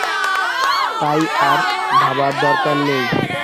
তাই আর ভাবার দরকার নেই।